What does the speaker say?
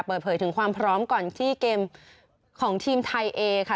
เปิดเผยถึงความพร้อมก่อนที่เกมของทีมไทยเอค่ะ